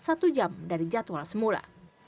satu jam dari jadwal semula